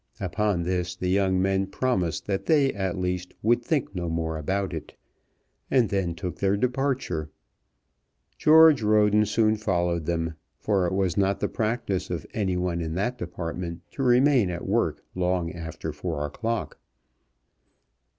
Upon this the young men promised that they, at least, would think no more about it, and then took their departure. George Roden soon followed them, for it was not the practice of anybody in that department to remain at work long after four o'clock.